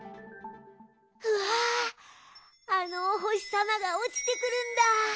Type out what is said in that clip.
うわああのおほしさまがおちてくるんだ。